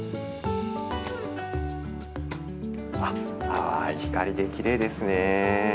あ、淡い光できれいですね。